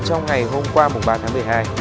trong ngày hôm qua ba tháng một mươi hai